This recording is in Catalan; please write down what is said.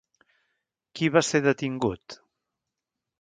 Qui va ser detingut?